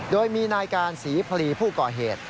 โดยมีนายการศรีพลีผู้ก่อเหตุ